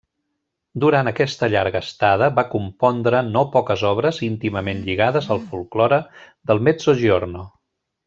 Durant aquesta llarga estada va compondre no poques obres íntimament lligades al folklore del Mezzogiorno.